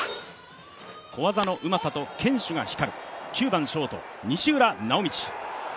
小技のうまさと堅守が光る、９番ショート・西浦直亨。